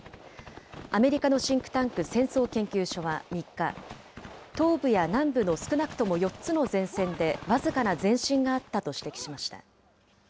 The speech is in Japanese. アメリカのシンクタンク、戦争研究所は３日、東部や南部の少なくとも４つの前線で僅かな前進があったと指摘しました。